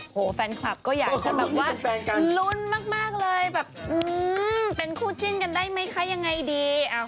แฟนคลับก็อยากจะแบบว่าลุ้นมากเลยแบบเป็นคู่จิ้นกันได้ไหมคะยังไงดี